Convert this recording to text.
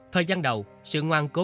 thời gian đầu sự ngoan cố